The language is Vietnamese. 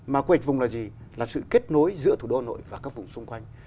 mà quy hoạch vùng là gì là sự kết nối giữa thủ đô hà nội và các vùng xung quanh